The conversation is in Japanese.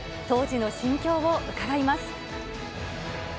当時の心境を伺います。